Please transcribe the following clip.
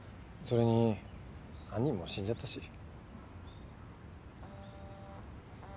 それに犯人も死んじゃったし。